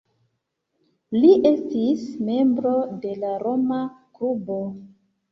Li estis membro de la Roma Klubo.